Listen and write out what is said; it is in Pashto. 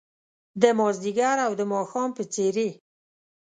د مازدیګر او د ماښام په څیرې